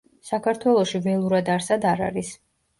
საქართველოში ველურად არსად არ არის.